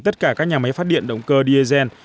tất cả các nhà máy phát điện động cơ dsn